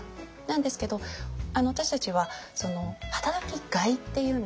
なんですけど私たちは働きがいっていうんですかね